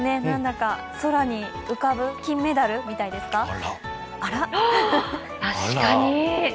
何だか空に浮かぶ金メダルみたいですか？